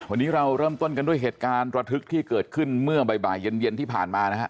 วันนี้เราเริ่มต้นกันด้วยเหตุการณ์ระทึกที่เกิดขึ้นเมื่อบ่ายเย็นที่ผ่านมานะฮะ